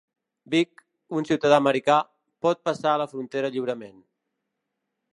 Vic, un ciutadà americà, pot passar la frontera lliurement.